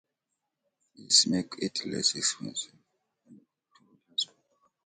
This makes it less expensive and it draws less power.